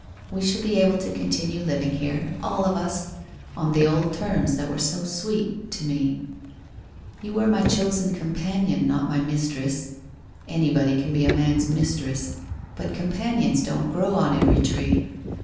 ... Wo shall be able to continue living here, all of us, on the old terms that were so sweet — to me. You were mv chosen companion, not my mistress. Anybody can be a man's mistress, but companions don't grow on every tree.